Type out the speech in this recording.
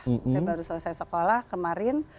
saya baru selesai sekolah kemarin